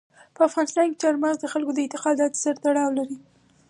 په افغانستان کې چار مغز د خلکو د اعتقاداتو سره تړاو لري.